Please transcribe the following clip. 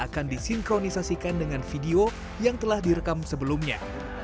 akan disinkronisasikan dengan video yang telah direkam sebelumnya